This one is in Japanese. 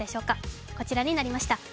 こちらになりました。